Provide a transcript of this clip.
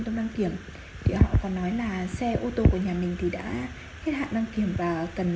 thời hạn kiểm định cho xe cơ giới có hạn kiểm định